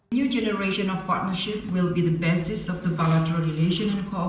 kedua menlu juga sepakat untuk mendukung indonesia ke indonesia